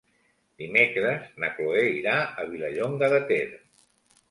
Dimecres na Chloé irà a Vilallonga de Ter.